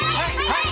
はい！